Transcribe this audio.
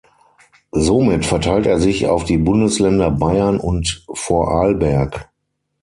Somit verteilt er sich auf die Bundesländer Bayern und Vorarlberg.